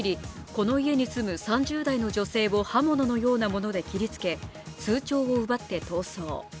この家に住む３０代の女性を刃物のようなもので切りつけ通帳を奪って逃走。